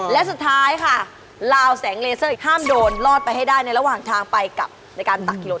และสุดท้ายค่ะลาวแสงเลเซอร์อีกห้ามโดนลอดไปให้ได้ในระหว่างทางไปกับในการตักหล่น